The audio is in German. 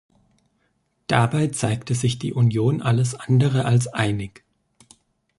Dabei zeigte sich die Union alles andere als einig.